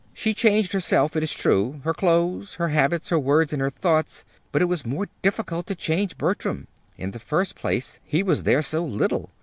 She changed herself, it is true her clothes, her habits, her words, and her thoughts; but it was more difficult to change Bertram. In the first place, he was there so little.